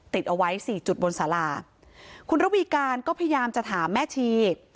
ติดเอาไว้สี่จุดบนสาราคุณระวีการก็พยายามจะถามแม่ชี